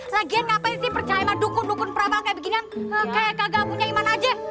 lagian ngapain sih percaya sama dukun dukun prabang kayak beginian kayak kagak punya iman aja